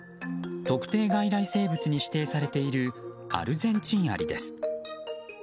特定外来生物に指定されているアルゼンチンアリです。